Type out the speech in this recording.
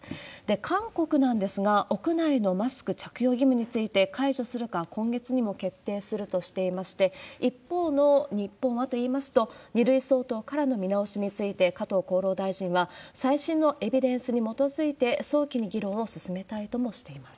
韓国なんですが、屋内のマスク着用義務について、解除するか、今月にも決定するとしていまして、一方の日本はといいますと、２類相当からの見直しについて、加藤厚労大臣は、最新のエビデンスに基づいて、早期に議論を進めたいともしています。